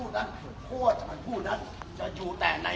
เอาเวยรีจีตลอดผิดตัว